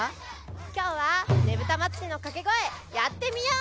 きょうはねぶたまつりのかけごえやってみよう！